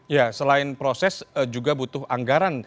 ya selain proses juga butuh anggaran